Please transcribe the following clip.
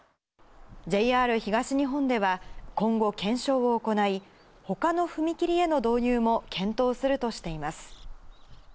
ＪＲ東日本では、今後、検証を行い、ほかの踏切への導入も検討するとしています。